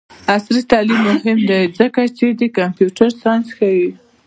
عصري تعلیم مهم دی ځکه چې د کمپیوټر ساینس ښيي.